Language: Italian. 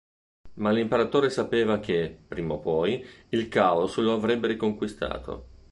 Ma l'Imperatore sapeva che, prima o poi, il Caos lo avrebbe riconquistato.